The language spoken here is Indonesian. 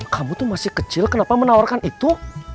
kamu tuh masih kecil kenapa menawarkan itu